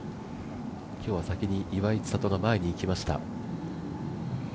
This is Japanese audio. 今日は先に岩井千怜が前に行きました。